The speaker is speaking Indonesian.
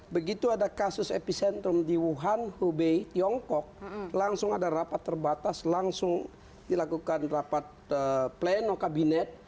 begitu ada kasus epicentrum di wuhan hubei tiongkok langsung ada rapat terbatas langsung dilakukan rapat pleno kabinet